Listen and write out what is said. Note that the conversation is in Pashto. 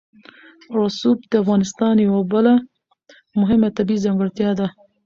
رسوب د افغانستان یوه بله مهمه طبیعي ځانګړتیا ده.